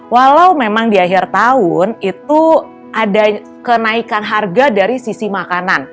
walau memang di akhir tahun itu ada kenaikan harga dari sisi makanan